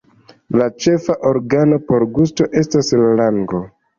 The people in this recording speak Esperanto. La ĉefa organo por gusto estas la lango.